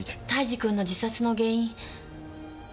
泰次君の自殺の原因。